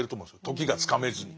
時がつかめずに。